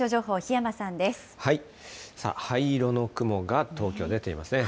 灰色の雲が東京、出ていますね。